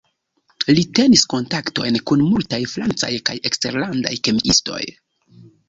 Li tenis kontaktojn kun multaj francaj kaj eksterlandaj kemiistoj.